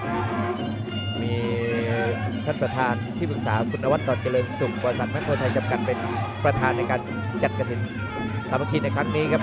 มีท่านประธานที่ปรึกษาคุณนวัดตอนเกรงศุกร์บสัตว์มหัวโทรไทยกันประธานในการจัดกระทินสามัคคีในครั้งนี้ครับ